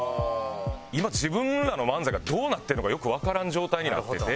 今自分らの漫才がどうなってるのかよくわからん状態になってて。